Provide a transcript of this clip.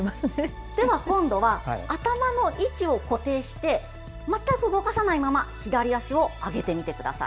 今度は頭の位置を固定して全く動かさないまま左足を上げてみてください。